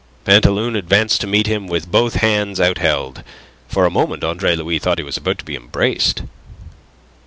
Pantaloon advanced to meet him with both hands out held. For a moment Andre Louis thought he was about to be embraced.